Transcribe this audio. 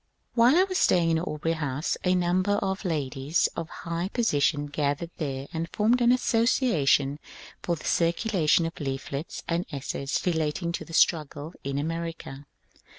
While I was staying in Aubrey House a number of ladies of high position gathered there and formed an association for the circulation of leaflets and essays relating to the struggle in America.